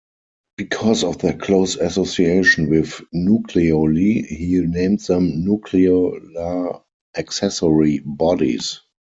Because of their close association with nucleoli he named them "nucleolar accessory bodies".